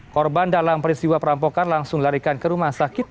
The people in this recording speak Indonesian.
korban dalam peristiwa perampokan langsung larikan ke rumah sakit